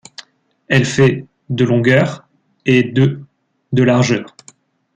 Elle fait de longueur et de de largeur.